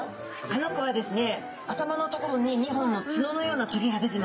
あの子はですね頭の所に２本の角のようなとげが出てますね。